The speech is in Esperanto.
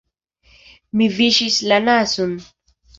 Mi viŝis la nazon.